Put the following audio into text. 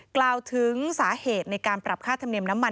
กล่าวถึงสาเหตุในการปรับค่าธรรมเนียมน้ำมัน